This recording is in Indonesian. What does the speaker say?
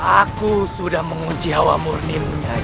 aku sudah mengunci hawa murninya